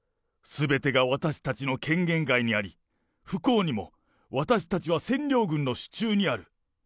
すべてが私たちの権限外にあり、不幸にも、私たちは占領軍の手中にある。